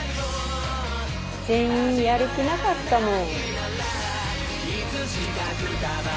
全員やる気なかったもん。